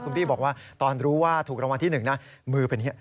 คุณพี่บอกว่าตอนรู้ว่าถูกรางวัลที่๑นะมือเป็นอย่างนี้